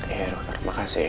iya dokter makasih ya